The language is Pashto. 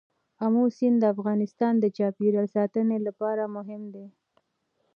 آمو سیند د افغانستان د چاپیریال ساتنې لپاره مهم دی.